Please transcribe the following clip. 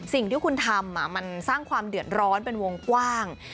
สิ่งที่คุณทำมันสร้างความเดือดร้อนเป็นวงกว้าง